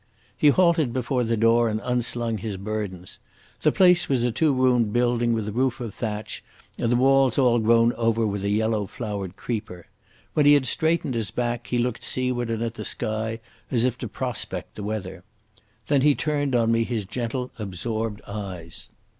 He halted before the door and unslung his burdens. The place was a two roomed building with a roof of thatch, and the walls all grown over with a yellow flowered creeper. When he had straightened his back, he looked seaward and at the sky, as if to prospect the weather. Then he turned on me his gentle, absorbed eyes.